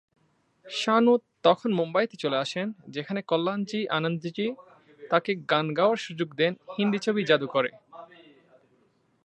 শানু তখন মুম্বাই তে চলে আসেন, যেখানে কল্যাণজী-আনান্দজী তাকে গান গাওয়ার সুযোগ দেন হিন্দি ছবি "যাদুকর" এ।